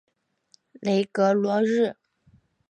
雷格罗日。